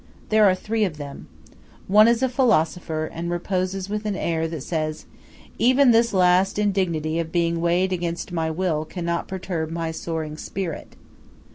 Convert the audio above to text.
There are three of them. One is a philosopher, and reposes with an air that says, "Even this last indignity of being weighed against my will cannot perturb my soaring spirit."